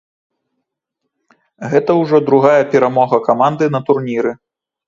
Гэта ўжо другая перамога каманды на турніры.